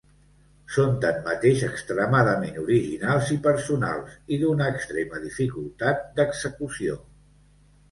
Són tanmateix extremadament originals i personals i d'una extrema dificultat d'execució.